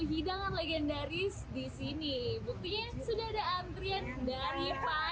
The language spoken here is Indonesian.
hidangan legendaris disini buktinya sudah ada antrian dari pagi